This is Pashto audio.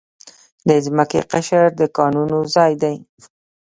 د ځمکې قشر د کانونو ځای دی.